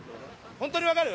本当に分かる？